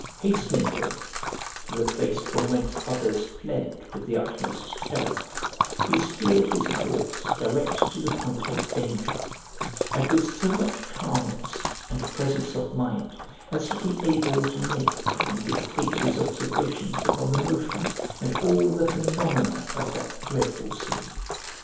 Hastening then to the place from whence others fled with the utmost terror, he steered his course direct to the point of danger, and with so much calmness and presence of mind as to be able to make and dictate his observations upon the motion and all the phenomena of that dreadful scene.